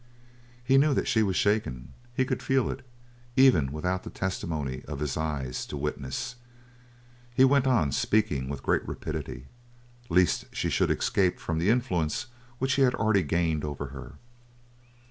He knew that she was shaken. He could feel it, even without the testimony of his eyes to witness. He went on, speaking with great rapidity, lest she should escape from the influence which he had already gained over her.